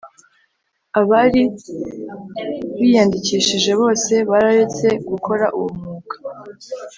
Abari biyandikishije bose bararetse gukora uwo umwuga